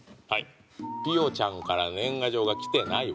「ぴよちゃんから年賀状がきてないわ」